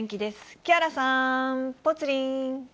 木原さん、ぽつリン。